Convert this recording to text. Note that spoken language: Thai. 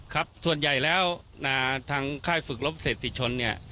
ครับส่วนใหญ่แล้วทางค่ายฝึกลบเศรษฐชนเนี่ย